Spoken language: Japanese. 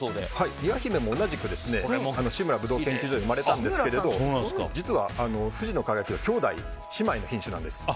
美和姫も同じく志村葡萄研究所で生まれたんですが実は富士の輝は兄弟、姉妹の品種なんです。